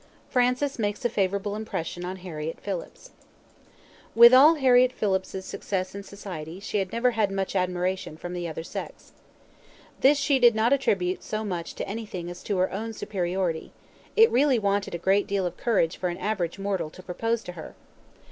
Francis Makes A Favourable Impression On Harriett Phillips With all Harriett Phillips's success in society she had never had much admiration from the other sex. This she did not attribute so much to anything as to her own superiority; it really wanted a great deal of courage for an average mortal to propose to her.